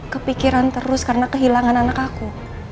kepikiran terus karena kehilangan anak aku